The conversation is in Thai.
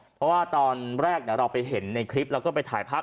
เพราะว่าตอนแรกเราไปเห็นในคลิปแล้วก็ไปถ่ายภาพ